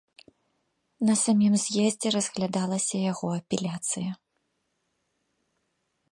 На самім з'ездзе разглядалася яго апеляцыя.